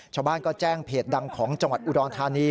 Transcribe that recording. ชาวบ้านก็แจ้งเพจดังของจังหวัดอุดรธานี